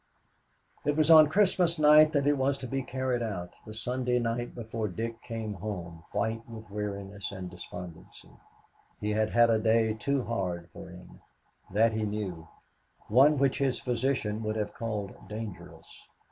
It was on Christmas night that it was to be carried out. The Sunday night before Dick came home, white with weariness and despondency. He had had a day too hard for him, that he knew; one which his physician would have called dangerous.